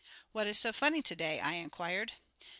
"What is so funny to day?" I inquired.